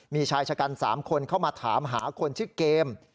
มีชายชะกัน๓คนเข้ามาถามหาคนชื่อเกม